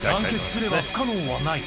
団結すれば不可能はない。